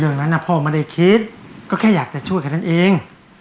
เรื่องนั้นพ่อไม่ได้คิดก็แค่อยากจะช่วยแค่นั้นเอง